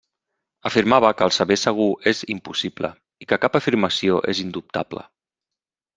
Afirmava que el saber segur és impossible i que cap afirmació és indubtable.